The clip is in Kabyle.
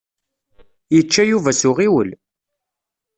Yečča Yuba s uɣiwel.